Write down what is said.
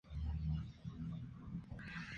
Beltrán fue emparejado con Aaron Rosa.